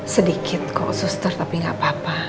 sedikit kok suster tapi gak apa apa